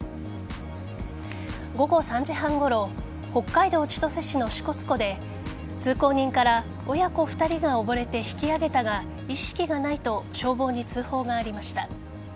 午後３時半ごろ北海道千歳市の支笏湖で通行人から親子２人が溺れて引き上げたが意識がないと消防に通報がありました。